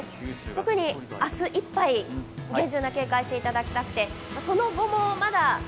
特に明日いっぱい、厳重な警戒していただきたくて。